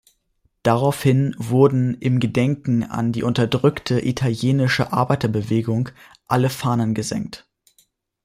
Daraufhin wurden im Gedenken an die unterdrückte italienische Arbeiterbewegung alle Fahnen gesenkt.